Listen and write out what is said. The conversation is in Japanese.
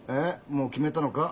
もう決めたのか？